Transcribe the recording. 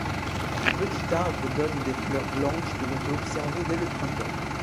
Ce petit arbre donne des fleurs blanches que l'on peut observer dès le printemps.